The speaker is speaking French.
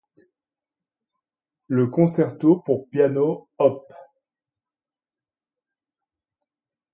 Le Concerto pour piano op.